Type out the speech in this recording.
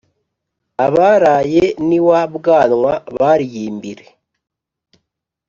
abaraye n'iwa bwanwa bariyimbire.